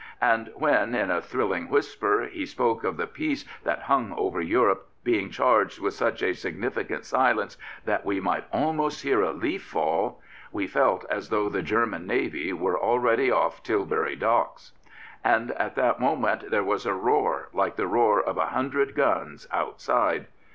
And when in a thrilling whisper he spoke of the peace that hung over Europe being charged with such a significant silence that " we might almost hear a leaf fall " we felt as though the enemy were already off Tilbury docks. And at that moment there was a roar like the roar of a hundred guns outside.